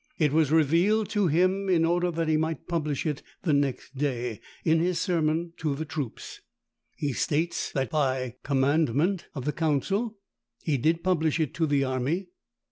It was revealed to him in order that he might publish it the next day, in his sermon, to the troops. He states, that by commandment of the council he did publish it to the army.